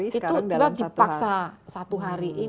itu juga dipaksa satu hari